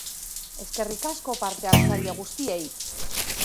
Eskerrik asko parte-hartzaile guztiei!